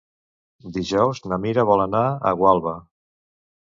Dijous na Mira vol anar a Gualba.